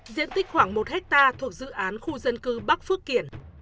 diện tích khoảng một hectare thuộc dự án khu dân cư bắc phước kiển